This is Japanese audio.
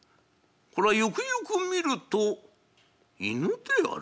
これはよくよく見ると犬であるな。